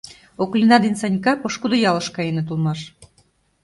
Оклина ден Санька пошкудо ялыш каеныт улмаш.